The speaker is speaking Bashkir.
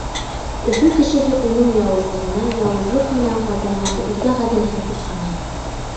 Өфө кешеһе уның яуызлығына яуызлыҡ менән ҡайтарғанды үтә ғәҙелһеҙ тип һанай.